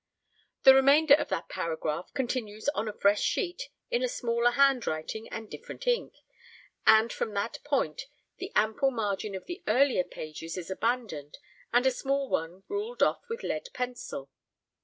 The remainder of that paragraph continues on a fresh sheet in a smaller handwriting and different ink, and from that point the ample margin of the earlier pages is abandoned and a small one ruled off with lead pencil.